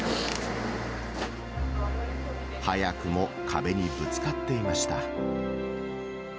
早くも壁にぶつかっていました。